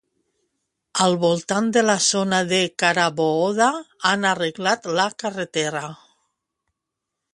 Al voltant de la zona de Carabooda han arreglat la carretera.